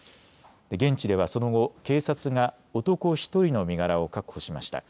現地ではその後、警察が男１人の身柄を確保しました。